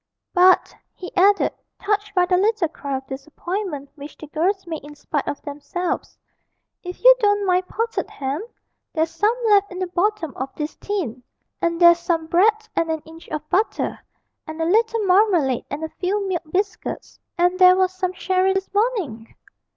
'But,' he added, touched by the little cry of disappointment which the girls made in spite of themselves, 'if you don't mind potted ham there's some left in the bottom of this tin, and there's some bread and an inch of butter, and a little marmalade and a few milk biscuits and there was some sherry this morning!'